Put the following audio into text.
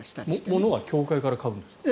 物は教会から買うんですか？